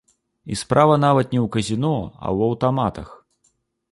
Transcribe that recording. І справа нават не ў казіно, а ў аўтаматах.